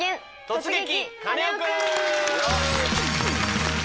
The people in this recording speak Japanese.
「突撃！